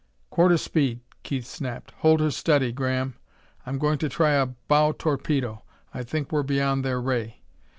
"Quarter speed!" Keith snapped. "Hold her steady, Graham; I'm going to try a bow torpedo. I think we're beyond their ray."